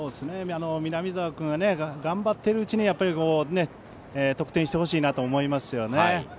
南澤君が頑張っているうちに得点してほしいなと思いますね。